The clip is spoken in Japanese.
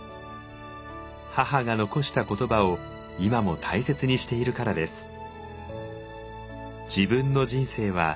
母が残した言葉を今も大切にしているからです。